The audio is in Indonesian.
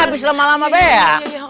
habis lama lama pak ya